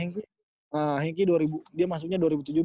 jadi henky dia masuknya dua ribu tujuh belas